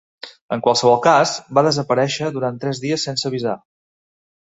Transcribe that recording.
En qualsevol cas, va desaparèixer durant tres dies sense avisar.